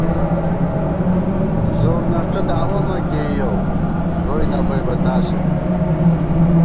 زورنݭٹہ داوَہ مہ کېئیَؤ گوئی نہ بئیبہ تاسہ بی